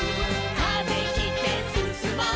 「風切ってすすもう」